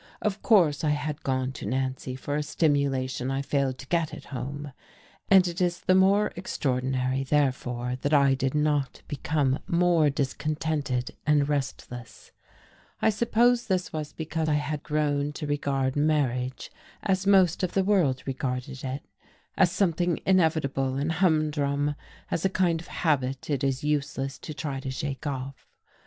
Of course I had gone to Nancy for a stimulation I failed to get at home, and it is the more extraordinary, therefore, that I did not become more discontented and restless: I suppose this was because I had grown to regard marriage as most of the world regarded it, as something inevitable and humdrum, as a kind of habit it is useless to try to shake off.